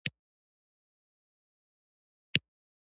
د نجونو تعلیم د پرمختللي هیواد نښه ده.